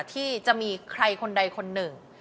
ที่จะมีใครคนใดคนหนึ่ง